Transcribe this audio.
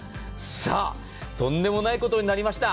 さあ、とんでもないことになりました。